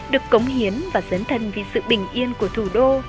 được cống hiến và dấn thân vì sự bình yên của thủ đô